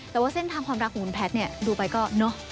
แต่ว่าเส้นทางความรักของคุณแพทย์เนี่ยดูไปก็เนอะ